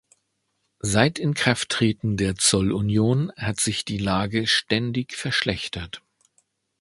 Seit Inkrafttreten der Zollunion hat sich die Lage ständig verschlechtert.